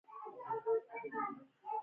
داسې نه ښکاري چې کوم بدلون دې پکې راغلی وي